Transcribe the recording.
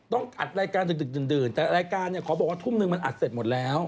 ต้องอัดรายการดึกดื่นแต่รายการเนี่ยขอบอกว่าทุ่มนึงมันอัดเสร็จหมดแล้ว